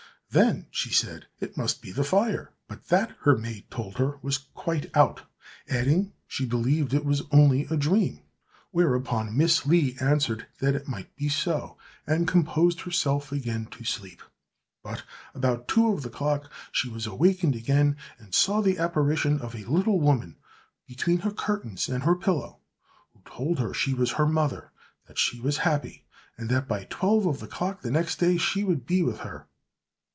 'Then,' she said, 'it must be the fire;' but that, her maid told her, was quite out, adding she believed it was only a dream, whereupon Miss Lee answered that it might be so, and composed herself again to sleep. But, about two of the clock, she was awakened again, and saw the apparition of a little woman between her curtains and her pillow, who told her she was her mother, that she was happy, and that, by twelve of the clock that day, she should be with her.